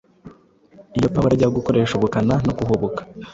Iyo Pawulo ajya gukoresha ubukana no guhubuka